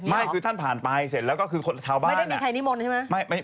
ไม่คือท่านผ่านไปเสร็จแล้วก็คือชาวบ้านไม่ได้มีใครนิมนต์ใช่ไหม